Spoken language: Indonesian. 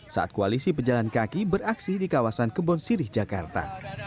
saat koalisi pejalan kaki beraksi di kawasan kebon sirih jakarta